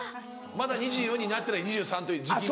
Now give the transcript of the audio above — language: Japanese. まだ２４になってない２３という時期。